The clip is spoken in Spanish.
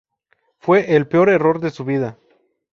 Fue el peor error de su vida.